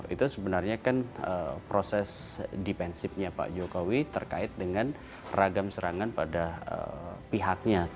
itu sebenarnya kan proses dipensifnya pak jokowi terkait dengan ragam serangan pada pihaknya